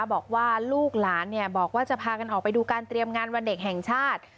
บอกว่าลูกหลานบอกว่าจะพากันออกไปดูการเตรียมงานวันเด็กแห่งชาติ